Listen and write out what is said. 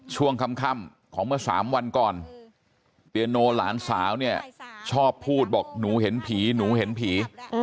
ช่วงค่ำของเมื่อ๓วันก่อนเปียโนหลานสาวเนี่ยชอบพูดบอกหนูเห็นผีหนูเห็นผี